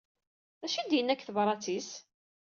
D acu i d-yenna deg tebṛat-is?